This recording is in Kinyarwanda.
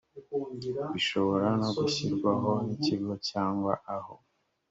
bishobora no gushyirwaho n ikigo cyangwa aho